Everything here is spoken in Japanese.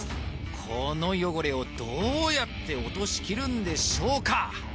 この汚れをどうやって落としきるんでしょうか？